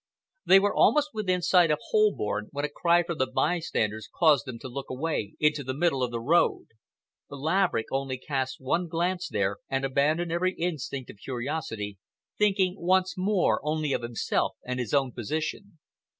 They were almost within sight of Holborn when a cry from the bystanders caused them to look away into the middle of the road. Laverick only cast one glance there and abandoned every instinct of curiosity, thinking once more only of himself and his own position.